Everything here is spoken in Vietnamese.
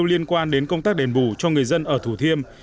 liên quan đến công tác đền bù cho người dân ở thủ thiêm